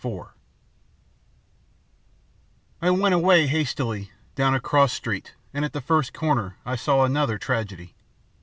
IV I WENT away hastily, down a cross street, and at the first corner I saw another tragedy.